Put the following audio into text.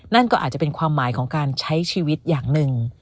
นั่นก็อาจจะเป็นความหมายของการใช้ชีวิตอย่างหนึ่ง